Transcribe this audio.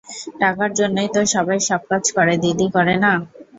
টাকার জন্যই তো সবাই সব কাজ করে দিদি, করে না?